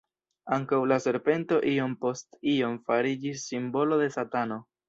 Ankaŭ la serpento iom post iom fariĝis simbolo de Satano.